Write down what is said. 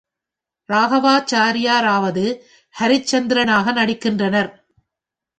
ராகவாச்சாரியாராவது ஹரிச்சந்திரனாக நடிக்கின்றனர்.